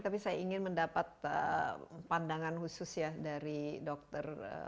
tapi saya ingin mendapat pandangan khusus ya dari dokter